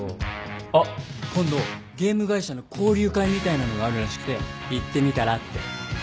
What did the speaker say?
あっ今度ゲーム会社の交流会みたいなのがあるらしくて行ってみたらって。